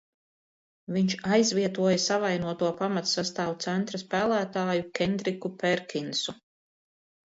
Viņš aizvietoja savainoto pamatsastāva centra spēlētāju Kendriku Pērkinsu.